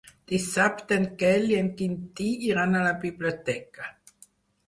Dissabte en Quel i en Quintí iran a la biblioteca.